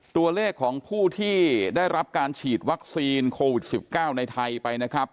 ตัวเลขของผู้ที่ได้รับการฉีดวัคซีนโควิด๑๙ในไทยไปนะครับ